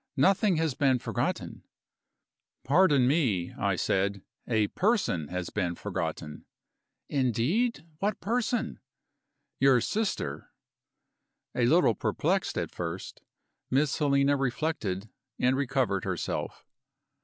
Nothing has been forgotten." "Pardon me," I said, "a person has been forgotten." "Indeed? What person?" "Your sister." A little perplexed at first, Miss Helena reflected, and recovered herself.